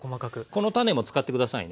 この種も使って下さいね。